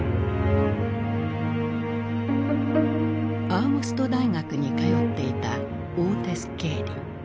アーモスト大学に通っていたオーテス・ケーリ。